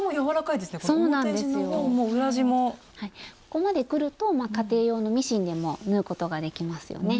ここまでくると家庭用のミシンでも縫うことができますよね。